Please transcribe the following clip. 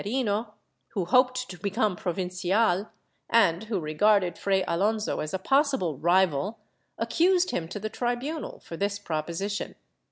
142 PROPOSITIONS [Book VIII who hoped to become provincial, and who regarded Fray Alonso as a possible rival, accused him to the tribmial for this proposition.